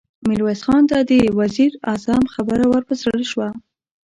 ميرويس خان ته د وزير اعظم خبره ور په زړه شوه.